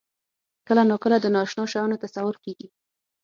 کله ناکله د نااشنا شیانو تصور کېږي.